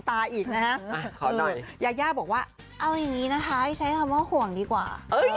สายก็เสียงยา